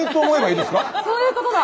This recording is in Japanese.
そういうことだ！